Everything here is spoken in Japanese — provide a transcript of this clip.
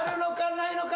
ないのか？